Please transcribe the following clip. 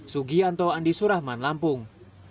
sugianto andi surahman lampung